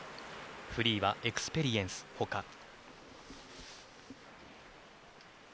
フリーは「エクスペリエンス」ほか。